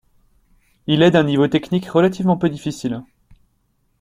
Il est d'un niveau technique relativement peu difficile.